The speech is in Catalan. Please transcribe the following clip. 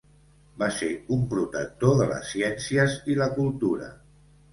Va ser un protector de les ciències i la cultura.